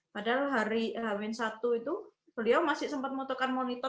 padahal hari h satu itu beliau masih sempat motokan monitor